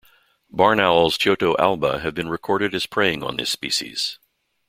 Barn owls "Tyto alba" have been recorded as preying on this species.